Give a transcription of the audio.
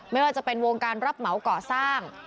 ไม่ว่าจะเป็นวงการรับเหมาก่อสร้าง